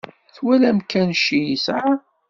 Twalam kan cci i yesɛa.